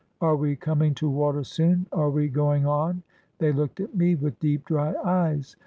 Are we coming to water soon? Are we going on?" They looked at me with deep, dry eyes.